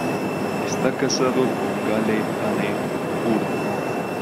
Está casado con Gale Anne Hurd.